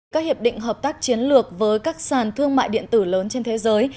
các hiệp định hợp tác chiến lược với các sàn thương mại điện tử lớn trên thế giới